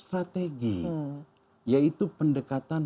strategi yaitu pendekatan